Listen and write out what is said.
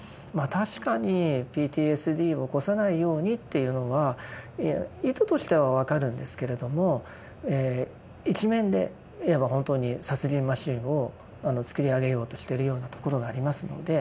確かにＰＴＳＤを起こさないようにっていうのは意図としては分かるんですけれども一面でいえば本当に殺人マシーンを作り上げようとしてるようなところがありますので。